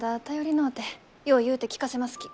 よう言うて聞かせますき。